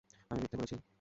আমি মিথ্যা বলেছি?